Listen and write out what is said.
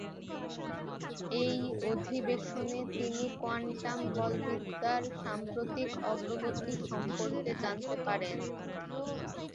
এই অধিবেশনে তিনি কোয়ান্টাম বলবিদ্যার সাম্প্রতিক অগ্রগতি সম্পর্কে জানতে পারেন।